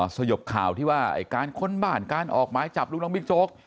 สยบข่าวที่ว่าการค้นบ้านการออกหมายจับลูกน้องบิ๊กโจ๊ก